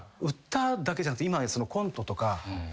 歌だけじゃなくてコントとか。